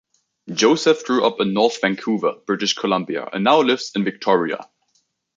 Joseph grew up in North Vancouver, British Columbia, and now lives in Victoria.